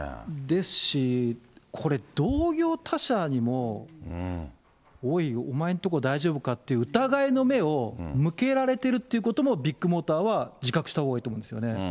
ですし、これ、同業他社にもおい、お前のとこ、大丈夫かって疑いの目を向けられてるっていうこともビッグモーターは自覚したほうがいいと思いますね。